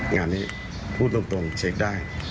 งานนี้พูดตรงเช็คได้